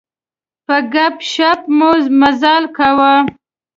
په ګپ شپ مو مزال کاوه.